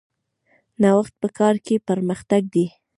نوښت په کار کې پرمختګ دی